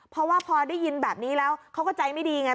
เพราะว่าพอได้ยินแบบนี้แล้วเขาก็ใจไม่ดีไง